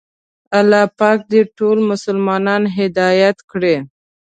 الله پاک دې ټول مسلمانان هدایت کړي.